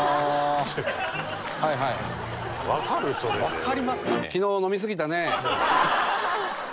わかりますかね？